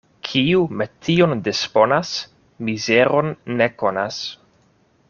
Kiu metion disponas, mizeron ne konas.